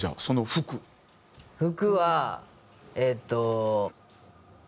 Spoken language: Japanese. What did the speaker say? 服はえっと。